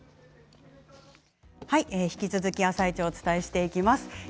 引き続き「あさイチ」をお伝えしていきます。